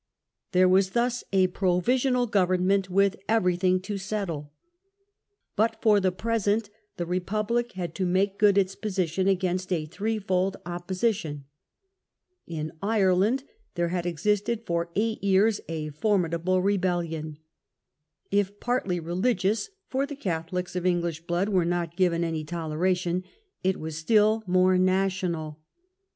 There was thus a provisional government with every thing to settle. But for the present the Republic had to Threefold ^lake good its position against a threefold Royalist Opposition. In Ireland there had existed for opposition, gjgi^^ yg^j.g ^ fonnidable rebellion. If partly religious (for the Catholics of English blood were not given any toleration), it was still more national.